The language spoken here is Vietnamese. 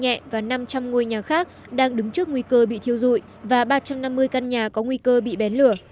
nhẹ và năm trăm linh ngôi nhà khác đang đứng trước nguy cơ bị thiêu dụi và ba trăm năm mươi căn nhà có nguy cơ bị bén lửa